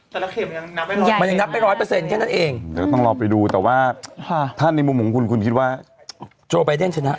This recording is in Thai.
แต่ละเขตมันยังนับไป๑๐๐แค่นั้นเองแต่ต้องรอไปดูแต่ว่าถ้าในมุมของคุณคุณคิดว่าโจไบเดนชนะ